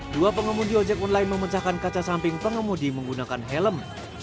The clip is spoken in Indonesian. dua pengemudi ojek online memecahkan kaca samping pengemudi menggunakan helm